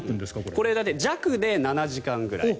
これが弱で７時間ぐらい。